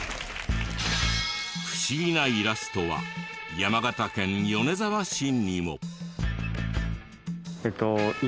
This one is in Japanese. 不思議なイラストは山形県米沢市にも。